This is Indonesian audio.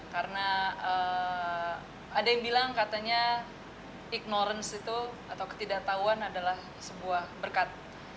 karena ada yang bilang katanya kejahatan itu atau ketidaktahuan adalah sebuah berkat